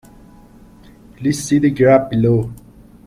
Please see the graph below.